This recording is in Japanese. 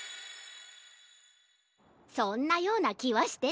そんなようなきはしてたよ。